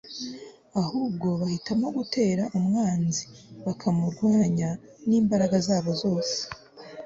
ahubwo bahitamo gutera umwanzi bakamurwanya n'imbaraga zabo zose